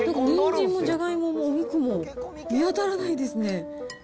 にんじんもじゃがいももお肉も見当たらないですね。